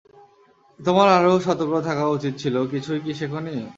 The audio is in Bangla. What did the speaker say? তোমার আরও সতর্ক থাকা উচিত ছিল, কিছুই কি শিখোনি?